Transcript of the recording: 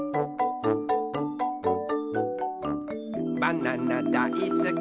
「バナナだいすき